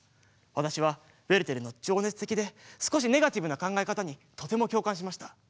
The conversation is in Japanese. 私はウェルテルの情熱的で少しネガティブな考え方にとても共感しました。